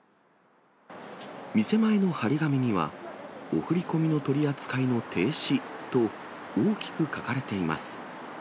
店前の貼り紙には、お振り込みの取り扱いの停止と大きく書かれています。